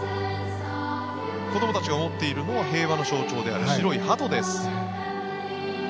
子どもたちが持っているのは平和の象徴である白いハトです。